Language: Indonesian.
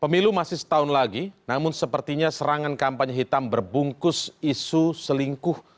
pemilu masih setahun lagi namun sepertinya serangan kampanye hitam berbungkus isu selingkuh